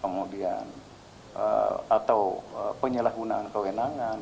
kemudian atau penyalahgunaan kewenangan dan sebagainya itu